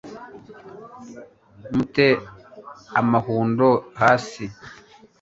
mute amahundo hasi